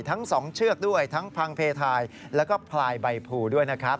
ทั้ง๒เชือกด้วยทั้งพังเพทายแล้วก็พลายใบภูด้วยนะครับ